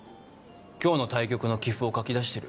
今日の対局の棋譜を書き出してる。